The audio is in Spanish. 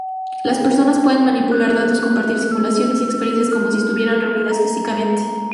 Las personas pueden manipular datos, compartir simulaciones y experiencias como si estuvieran reunidas físicamente.